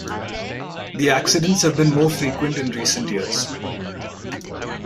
The accidents have been more frequent in recent years.